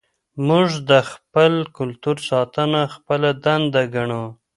موږ د خپل کلتور ساتنه خپله دنده ګڼو.